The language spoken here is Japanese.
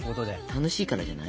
楽しいからじゃない？